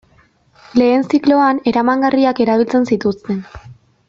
Lehen zikloan eramangarriak erabiltzen zituzten.